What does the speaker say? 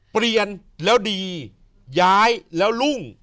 เปลี่ยนแล้วดีย้ายแล้วรุ่ง